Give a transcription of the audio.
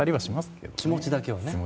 気持ちだけはね。